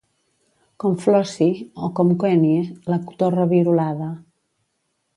Com Flossie, o com Queenie, la cotorra virolada.